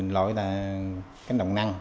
lỗi là cánh đồng năng